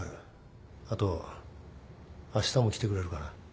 あとあしたも来てくれるかな。